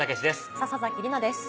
笹崎里菜です。